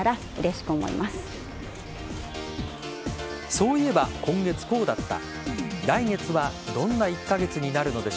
そういえば今月こうだった。